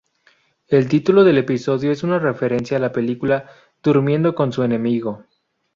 El título del episodio es una referencia a la película "Durmiendo con su enemigo".